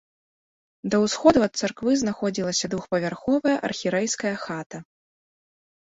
Да ўсходу ад царквы знаходзілася двухпавярховая архірэйская хата.